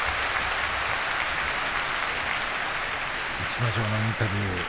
逸ノ城のインタビュー。